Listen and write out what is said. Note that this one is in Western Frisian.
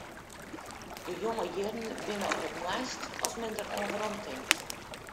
De jonge jierren binne op it moaist as men deroan weromtinkt.